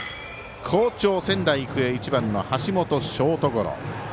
好調、仙台育英１番の橋本、ショートゴロ。